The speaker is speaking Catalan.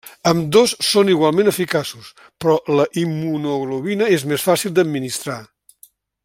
Ambdós són igualment eficaços, però la immunoglobulina és més fàcil d'administrar.